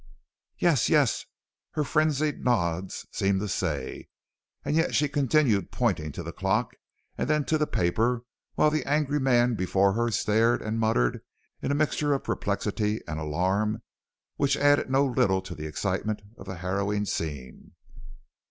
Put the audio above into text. "'Yes, yes,' her frenzied nods seemed to say, and yet she continued pointing to the clock and then to the paper while the angry man before her stared and muttered in a mixture of perplexity and alarm which added no little to the excitement of the harrowing scene.